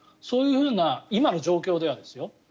そういう今の状況ではですよ。